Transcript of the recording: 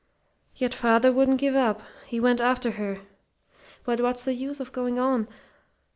"Yet father wouldn't give up. He went after her.... But what's the use of going on?